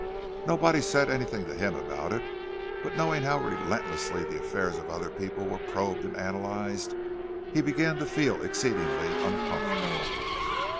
Nobody said anything to him about it, but knowing how relentlessly the affairs of other people were probed and analyzed, he began to feel exceedingly uncomfortable.